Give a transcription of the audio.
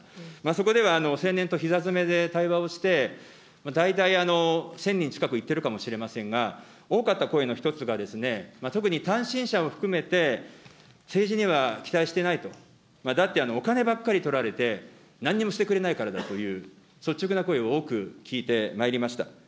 そこでは青年とひざ詰めで対話をして、大体１０００人近くいってるかもしれませんが、多かった声の一つが、特に、単身者を含めて、政治には期待してないと、だってお金ばっかり取られて、なんにもしてくれないからだという、率直な声を多く聞いてまいりました。